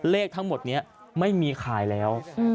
เลขทั้งหมดนี้ไม่มีขายแล้ว